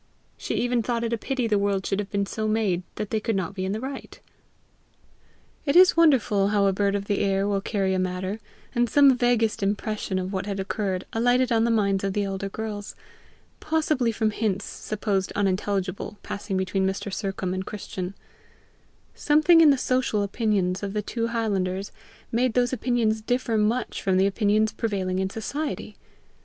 She even thought it a pity the world should have been so made that they could not be in the right. It is wonderful how a bird of the air will carry a matter, and some vaguest impression of what had occurred alighted on the minds of the elder girls possibly from hints supposed unintelligible, passing between Mr. Sercombe and Christian: something in the social opinions of the two highlanders made those opinions differ much from the opinions prevailing in society!